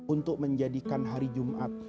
untuk menjadikan hari jumat